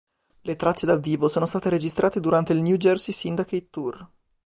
Le tracce dal vivo sono state registrate durante il "New Jersey Syndicate Tour".